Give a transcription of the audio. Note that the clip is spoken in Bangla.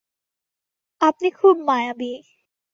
আপনি খুব মায়াবী।